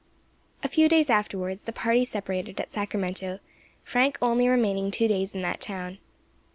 A few days afterwards the party separated at Sacramento, Frank only remaining two days in that town.